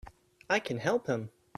I can help him!